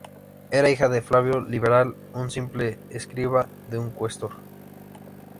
Era hija de Flavio Liberal, un simple escriba de un cuestor.